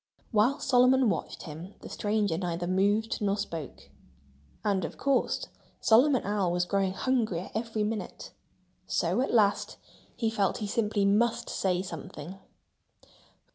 While Solomon watched him the stranger neither moved nor spoke. And, of course, Solomon Owl was growing hungrier every minute. So at last he felt that he simply must say something.